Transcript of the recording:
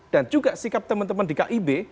dan juga sikap teman teman di kib